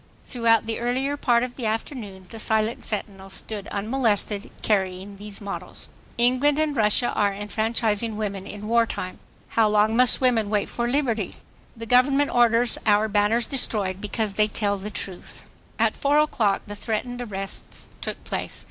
Throughout the earlier part of the afternoon the silent sentinels stood unmolested, carrying these mottoes: ENGLAND AND RUSSIA ARE ENFRANCHISING WOMEN IN WAR TIME. HOW LONG MUST WOMEN WAIT FOB LIBERTY? THE GOVERNMENT ORDERS OUR BANNERS DESTROYED BECAUSE THEY TELL THE TRUTH. At four o'clock the threatened arrests took place.